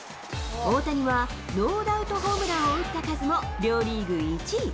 大谷はノーダウトホームランを打った数も両リーグ１位。